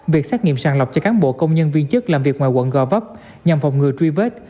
việc xét nghiệm sàng lọc cho cán bộ công nhân viên chức làm việc ngoài quận gò vấp nhằm phòng ngừa truy vết